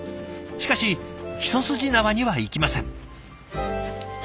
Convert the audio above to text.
しかし一筋縄にはいきません。